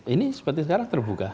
ini seperti sekarang terbuka